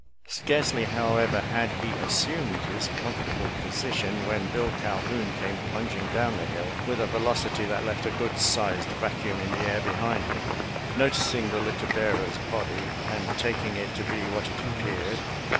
Scarcely, however, had he as sumed this comfortable position, when Bill Cal houn came plunging down the hill with a ve locity that left a good sized vacuum in the air behind him. Noticing the litter bearer's body, and taking it to be what it appeared.